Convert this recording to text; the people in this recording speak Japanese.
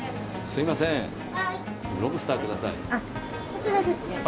こちらですね。